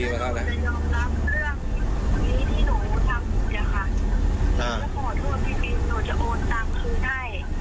ถ้าหนูจะยอมรับเรื่องนี้ที่หนูทำกูเนี่ยค่ะ